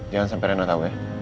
jangan sampe rena tau ya